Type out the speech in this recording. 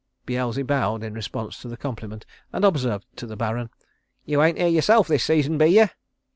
Beelzy bowed in response to the compliment and observed to the Baron: "You ain't here yourself this season, be ye?"